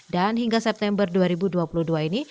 hingga september dua ribu dua puluh dua ini